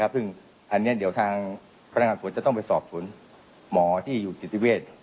ซึ่งอันนี้เดี๋ยวทางพนักงานสวนจะต้องไปสอบสวนหมอที่อยู่จิตเวทย์